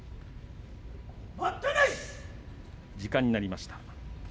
時間になりました。